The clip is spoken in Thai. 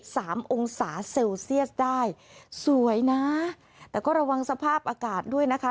มองศาเซลเซียสได้สวยนะแต่ก็ระวังสภาพอากาศด้วยนะคะ